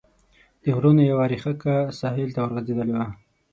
د غرونو یوه ريښکه ساحل ته ورغځېدلې ده.